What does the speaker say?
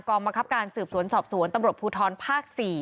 บังคับการสืบสวนสอบสวนตำรวจภูทรภาค๔